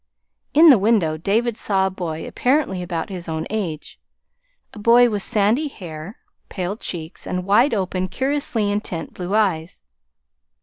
In the window David saw a boy apparently about his own age, a boy with sandy hair, pale cheeks, and wide open, curiously intent blue eyes.